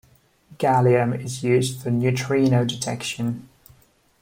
Gallium is used for neutrino detection.